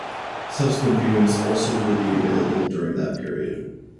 Subsequent viewings also will be available during that period.